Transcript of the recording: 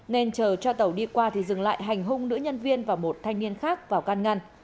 nên chờ cho tàu đi qua thì dừng lại hành hung nữ nhân viên và một thanh niên khác vào can ngăn